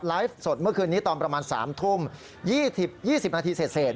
สดเมื่อคืนนี้ตอนประมาณ๓ทุ่ม๒๐๒๐นาทีเสร็จ